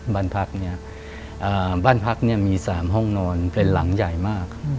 บ้านพักเนี่ยบ้านพักมี๓ห้องนอนเป็นหลังใหญ่มาก